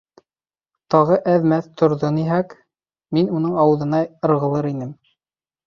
— Тағы әҙ-мәҙ торҙониһәк, мин уның ауыҙына ырғылыр инем.